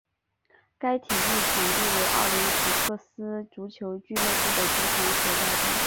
该体育场为奥林匹亚克斯足球俱乐部的主场所在地。